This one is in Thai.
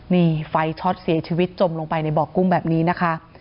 นี่ไฟช็อตเสียชีวิตจมลงไปในบ่อกุ้งแบบนี้นะคะ